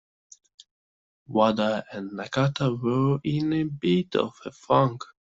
Wada and Nakata were in a bit of a funk.